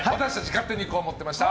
勝手にこう思ってました！